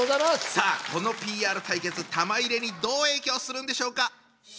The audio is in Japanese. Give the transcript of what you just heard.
さあこの対決玉入れにどう影響するんでしょうか？